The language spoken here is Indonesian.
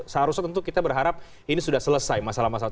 seharusnya tentu kita berharap ini sudah selesai masalah masalah